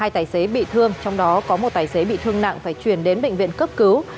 hai tài xế bị thương trong đó có một tài xế bị thương nặng phải chuyển đến bệnh viện cấp cứu